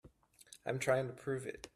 I'm trying to prove it.